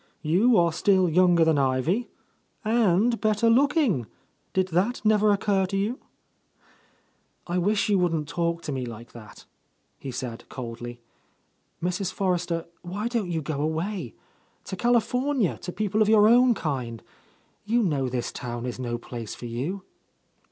You are still younger than Ivy, — and better looking! Did that never occur to you?" "I wish you wouldn't talk to me like that," he said coldly. "Mrs. Forrester, why don't you go away? to California, to people of your own kind. You know this town is no place for you."